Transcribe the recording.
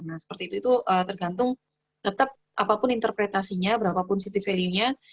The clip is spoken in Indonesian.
nah seperti itu itu tergantung tetap apapun interpretasinya berapapun city value nya